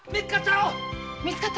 見つかった‼